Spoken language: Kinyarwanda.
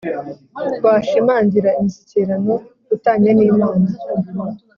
washimangira imishyikirano u tanye n Imana